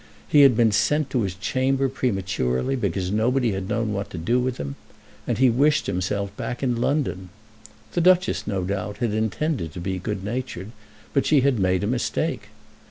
He had been sent to his chamber prematurely, because nobody had known what to do with him; and he wished himself back in London. The Duchess, no doubt, had intended to be good natured, but she had made a mistake.